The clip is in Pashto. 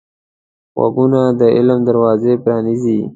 غوږونه د علم دروازې پرانیزي